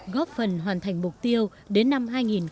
góp phần hoàn thành mục tiêu đến năm hai nghìn hai mươi